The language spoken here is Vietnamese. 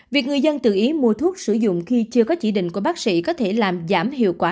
việc người dân tự ý mua thuốc sử dụng khi chưa có chỉ định của bác sĩ có thể làm giảm hiệu quả